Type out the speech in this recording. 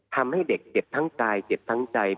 ทำให้เด็กเจ็บทั้งกายเจ็บทั้งใจ